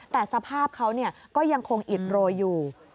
แต่สภาพเขาก็ยังคงอิดโรยอยู่